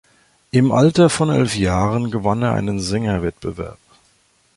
Im Alter von elf Jahren gewann er einen Sänger-Wettbewerb.